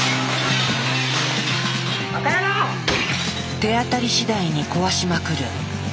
手当たりしだいに壊しまくる。